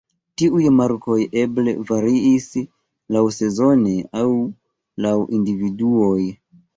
Tiuj markoj eble variis laŭsezone aŭ laŭ individuoj.